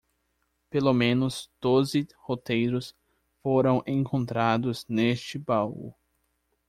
Pelo menos doze roteiros foram encontrados neste baú.